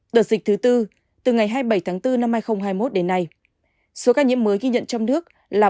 đợt dịch thứ bốn từ ngày hai mươi bảy tháng bốn năm hai nghìn hai mươi một đến nay số ca nhiễm mới ghi nhận trong nước là bốn trăm chín mươi bảy ba trăm chín mươi một ca